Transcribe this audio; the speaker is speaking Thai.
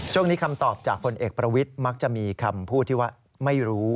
คำตอบจากผลเอกประวิทย์มักจะมีคำพูดที่ว่าไม่รู้